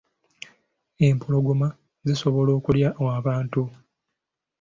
Empologoma zisobola okulya abantu.